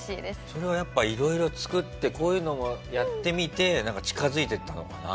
それはやっぱ色々作ってこういうのもやってみて近づいていったのかな？